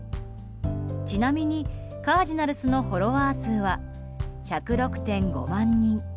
ちなみに、カージナルスのフォロワー数は１０６．５万人。